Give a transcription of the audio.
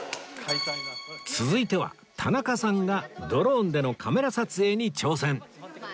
続いては田中さんがドローンでのカメラ撮影に挑戦